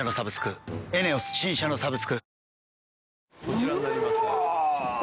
こちらになります。